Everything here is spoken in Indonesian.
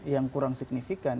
yang kurang signifikan